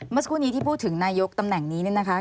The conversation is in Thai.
เมื่อสักครู่นี้ที่พูดถึงนายกตำแหน่งนี้เนี่ยนะคะ